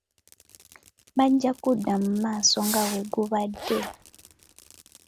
Bajja kudda mu masomo nga bwe gubadde.